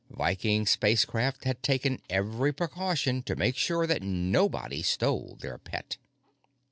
Viking Spacecraft had taken every precaution to make sure that nobody stole their pet.